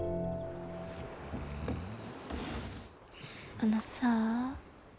あのさあ。